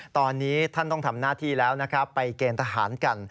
ตอนนี้ท่านต้องทำหน้าที่แล้วนะครับไปเกณฑ์ทหารกัน